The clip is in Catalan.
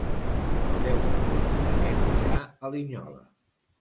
El deu d'agost na Neus irà a Linyola.